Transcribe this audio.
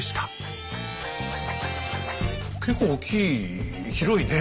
結構大きい広いねえ。